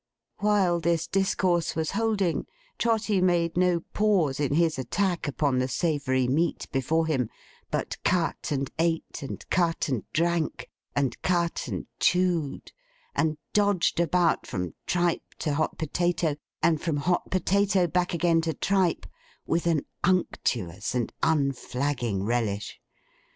While this discourse was holding, Trotty made no pause in his attack upon the savoury meat before him, but cut and ate, and cut and drank, and cut and chewed, and dodged about, from tripe to hot potato, and from hot potato back again to tripe, with an unctuous and unflagging relish.